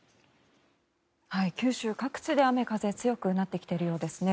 九州各地で雨、風が強くなってきているようですね。